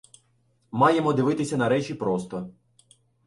Маємо дивитися на речі просто.